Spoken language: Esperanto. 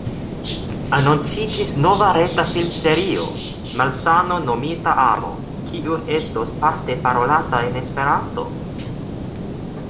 Anonciĝis nova reta filmserio, “Malsano Nomita Amo”, kiu estos parte parolata en Esperanto.